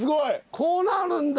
こうなるんだ！